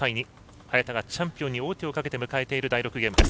早田がチャンピオンに王手をかけて迎えている第６ゲームです。